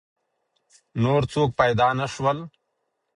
نور څوک پیدا نه شول.